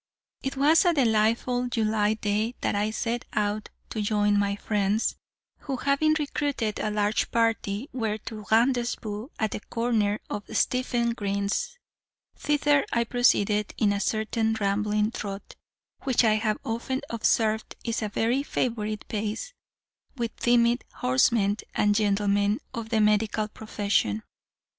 It was a delightful July day that I set out to join my friends, who, having recruited a large party, were to rendezvous at the corner of Stephen's Green; thither I proceeded in a certain rambling trot, which I have often observed is a very favorite pace with timid horsemen and gentlemen of the medical profession.